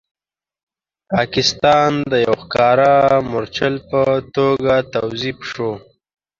پاکستان د یو ښکاره مورچل په توګه توظیف شو.